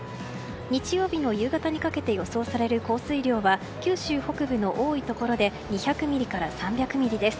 日曜日の夕方にかけて予想される降水量は九州北部の多いところで２００ミリから３００ミリです。